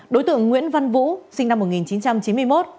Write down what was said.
đối tượng nguyễn văn vũ sinh năm một nghìn chín trăm chín mươi một